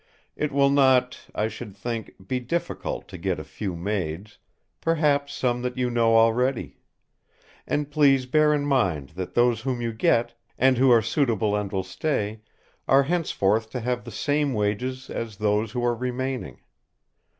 It will not, I should think, be difficult to get a few maids; perhaps some that you know already. And please bear in mind, that those whom you get, and who are suitable and will stay, are henceforth to have the same wages as those who are remaining.